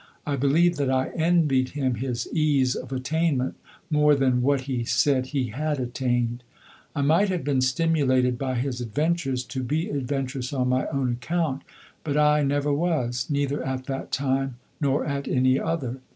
I believe that I envied him his ease of attainment more than what he said he had attained. I might have been stimulated by his adventures to be adventurous on my own account, but I never was, neither at that time nor at any other.